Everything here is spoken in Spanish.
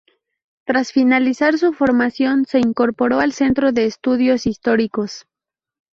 Tras finalizar su formación se incorporó al Centro de Estudios Históricos.